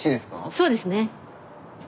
そうですね。